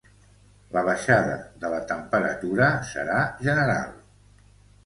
La baixada de la temperatura serà general.